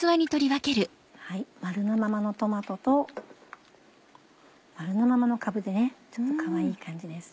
丸のままのトマトと丸のままのかぶでねちょっとかわいい感じです。